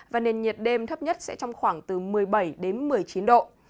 và nền nhiệt đêm thấp nhất sẽ trong khoảng từ một mươi bảy đến một mươi chín độ